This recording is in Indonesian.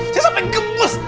saya sampai gemes